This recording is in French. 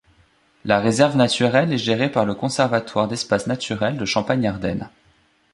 La réserve naturelle est gérée par le Conservatoire d'espaces naturels de Champagne-Ardenne.